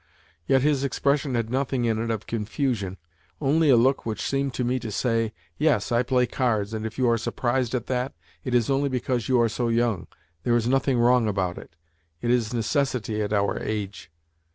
Yet his expression had nothing in it of confusion only a look which seemed to me to say: "Yes, I play cards, and if you are surprised at that, it is only because you are so young. There is nothing wrong about it it is a necessity at our age."